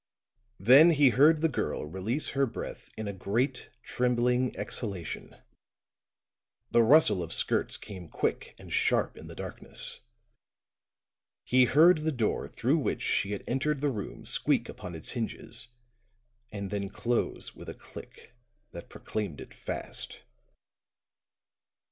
Then he heard the girl release her breath in a great, trembling exhalation; the rustle of skirts came quick and sharp in the darkness; he heard the door through which she had entered the room squeak upon its hinges and then close with a click that proclaimed it fast.